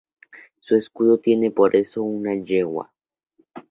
Su escudo tiene por eso una yegua.